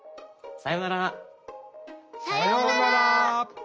さようなら！